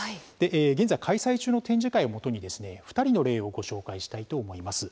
現在開催中の展示会をもとにですね２人の例をご紹介したいと思います。